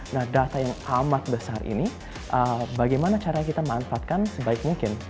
nah data yang amat besar ini bagaimana cara kita manfaatkan sebaik mungkin